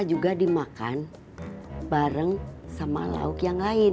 juga dimakan bareng sama lauk yang lain